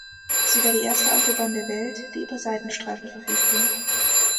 Sie war die erste Autobahn der Welt, die über Seitenstreifen verfügte.